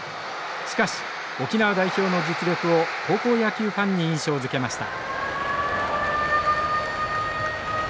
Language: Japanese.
しかし沖縄代表の実力を高校野球ファンに印象づけました。